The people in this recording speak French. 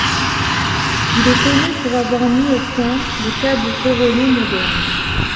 Il est connu pour avoir mis au point le câble toronné moderne.